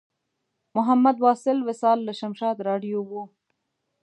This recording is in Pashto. محمد واصل وصال له شمشاد راډیو و.